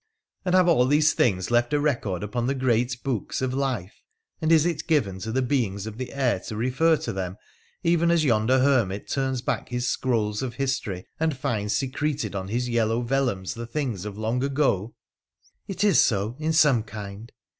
'And have all these things left a record upon the great books of life, and is it given to the beings of the air to refer to them, even as yonder hermit turns back his scrolls of history and finds secreted on his yellow vellums the things of long ago?' ' It is so in some kind.